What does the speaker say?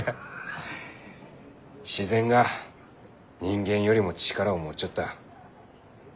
自然が人間よりも力を持っちょった。